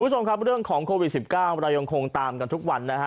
คุณผู้ชมครับเรื่องของโควิด๑๙เรายังคงตามกันทุกวันนะฮะ